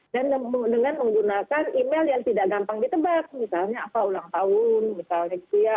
dan dengan menggunakan email yang tidak gampang ditebak misalnya apa ulang tahun misalnya gitu ya